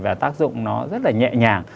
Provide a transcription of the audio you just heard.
và tác dụng nó rất là nhẹ nhàng